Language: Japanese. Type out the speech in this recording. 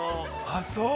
◆あっ、そう。